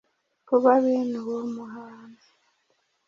kuba bene uwo muhanzi.